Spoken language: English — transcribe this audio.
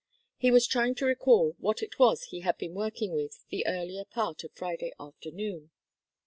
He was trying to recall what it was he had been working with the earlier part of Friday afternoon.